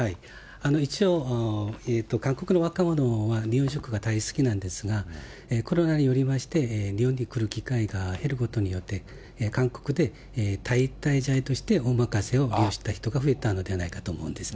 一応、韓国の若者は日本食が大好きなんですが、コロナによりまして、日本に来る機会が減ることによって、韓国で代替材として、おまかせを利用した人が増えたんではないかと思うんですね。